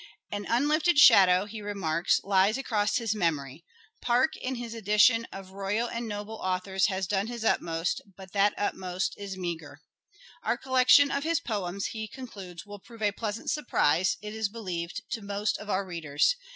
"An unlifted shadow," he remarks, " lies across his memory. Park in his edition of ' Royal and Noble Authors ' has done his utmost, but that utmost is meagre." " Our col lection of his poems," he concludes, " will prove a pleasant surprise, it is believed, to most of our readers.